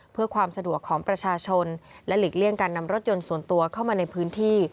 เพื่อความสะดวกของประชาชนและหลีกเลี่ยงการนำรถยนต์ส่วนตัวเข้ามาในพื้นที่